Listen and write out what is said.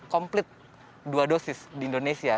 komplit dua dosis di indonesia